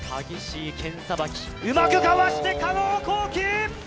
うまくかわして、加納虹輝！